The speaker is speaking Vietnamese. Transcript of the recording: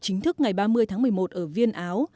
chính thức ngày ba mươi tháng một mươi một ở viên áo